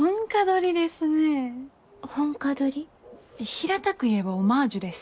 平たく言えばオマージュです。